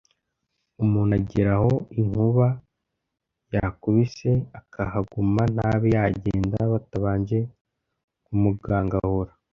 Umuntu agera aho inkuba yakubise akahaguma, ntabe yagenda batabanje kumugangahura